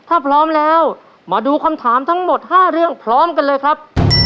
ถ้าพร้อมแล้วมาดูคำถามทั้งหมด๕เรื่องพร้อมกันเลยครับ